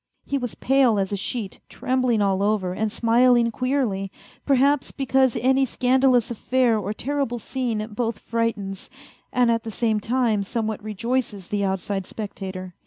He was pale as a sheet, trembling all over and smiling queerly, perhaps because any scandalous affair or terrible scene both frightens, and at the same time somewhat rejoices the out side spectator.